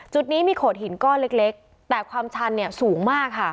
จุดนี้มีโขดหินก้อนเล็กแต่ความชันเนี่ยสูงมากค่ะ